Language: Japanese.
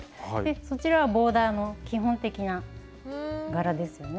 そちらはボーダーの基本的な柄ですよね。